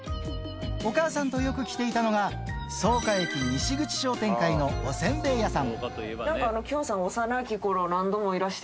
お母さんとよく来ていたのが、草加駅西口商店街のおせんべい屋さん。